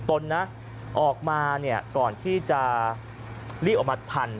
ตนนะออกมาก่อนที่จะรีบออกมาทัน